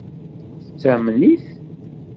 Tettamen-it?